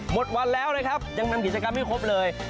หมดวันแล้วเลยครับยังแล้วกิจกรรมชอบเลย